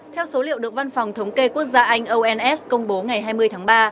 theo số liệu được văn phòng thống kê quốc gia anh ons công bố ngày hai mươi tháng ba